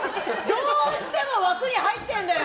どうしても枠に入っちゃうんだよ